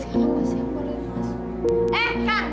siapa siapa lagi masuk